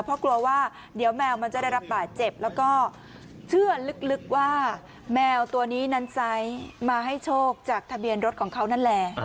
เพราะกลัวว่าเดี๋ยวแมวมันจะได้รับบาดเจ็บแล้วก็เชื่อลึกว่าแมวตัวนี้นั้นไซส์มาให้โชคจากทะเบียนรถของเขานั่นแหละ